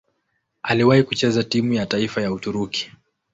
Aliwahi kucheza timu ya taifa ya Uturuki.